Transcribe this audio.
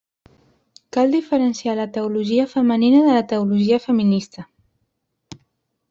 Cal diferenciar la teologia femenina de la teologia feminista.